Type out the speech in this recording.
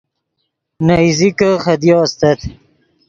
نے ایزیکے خدیو استت